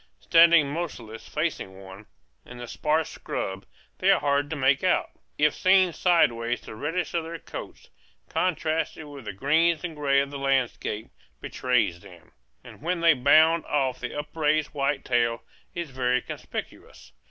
Standing motionless facing one, in the sparse scrub, they are hard to make out; if seen sideways the reddish of their coats, contrasted with the greens and grays of the landscape, betrays them; and when they bound off the upraised white tail is very conspicuous.